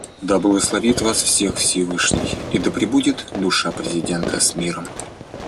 Да благословит вас всех Всевышний, и да пребудет душа президента с миром.